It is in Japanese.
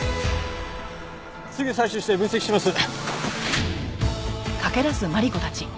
すぐに採取して分析します。